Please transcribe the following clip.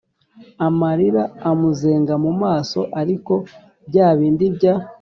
amarira amuzenga mumaso ariko byabindi bya